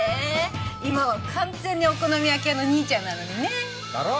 今は完全にお好み焼き屋の兄ちゃんなのにねだろ